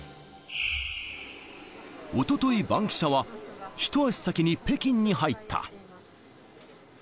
おとといバンキシャは、一足先に北京に入った。